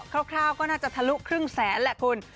ร่าวก็น่าจะทะลุครึ่งแสนแหละคุณ